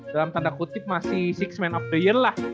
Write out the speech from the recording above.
dalam tanda kutip masih enam of the year lah